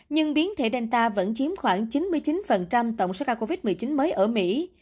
nhưng biến thể danta vẫn chiếm khoảng chín mươi chín tổng số ca covid một mươi chín mới ở mỹ